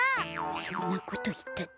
そんなこといったって。